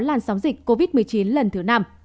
làn sóng dịch covid một mươi chín lần thứ năm